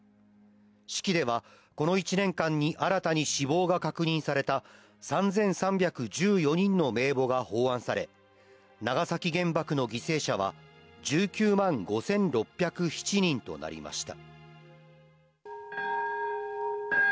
式では、この１年間に新たに死亡が確認された３３１４人の名簿が奉安され、長崎原爆の犠牲者は、１９万５６０７人となりました。